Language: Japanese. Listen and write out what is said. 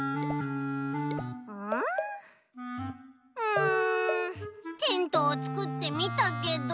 うんテントをつくってみたけど。